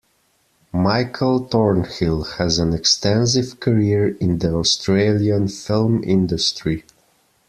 Michael Thornhill has an extensive career in the Australian film industry.